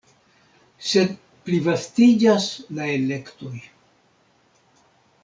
Sed plivastiĝas la elektoj.